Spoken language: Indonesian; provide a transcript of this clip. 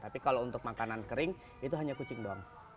tapi kalau untuk makanan kering itu hanya kucing doang